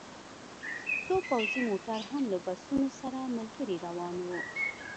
څو پوځي موټر هم له بسونو سره ملګري روان وو